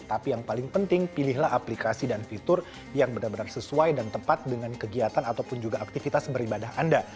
tapi yang paling penting pilihlah aplikasi dan fitur yang benar benar sesuai dan tepat dengan kegiatan ataupun juga aktivitas beribadah anda